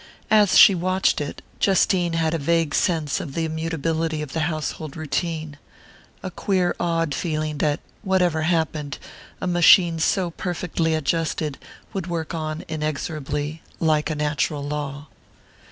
As she watched it, Justine had a vague sense of the immutability of the household routine a queer awed feeling that, whatever happened, a machine so perfectly adjusted would work on inexorably, like a natural law....